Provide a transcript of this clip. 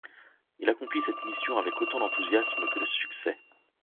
Il accomplit cette mission avec autant d'enthousiasme que de succès.